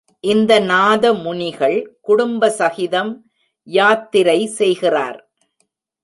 இந்த நாதமுனிகள் குடும்ப சகிதம் யாத்திரை செய்கிறார்.